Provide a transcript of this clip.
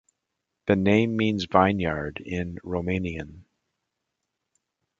The name means "vineyard" in Romanian.